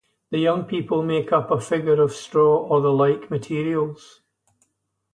The young people make up a figure of straw or the like materials.